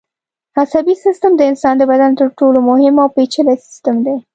عصبي سیستم د انسان د بدن تر ټولو مهم او پېچلی سیستم دی.